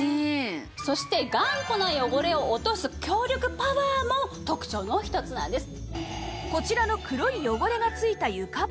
そして頑固な汚れを落とす強力パワーも特徴の一つなんです。